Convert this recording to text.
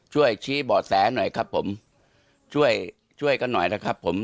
ช่วยชี้เบาะแสหน่อยครับผมช่วยช่วยกันหน่อยนะครับผม